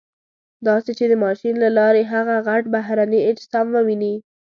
داسې چې د ماشین له لارې هغه غټ بهرني اجسام وویني.